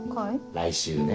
来週ね。